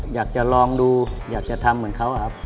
อยากจะลองดูอยากจะทำเหมือนเขาครับ